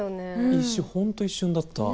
本当一瞬だった。